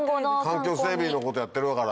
環境整備のことやってるなら。